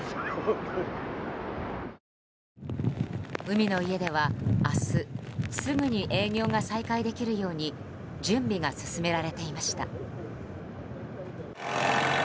海の家では明日すぐに営業が再開できるように準備が進められていました。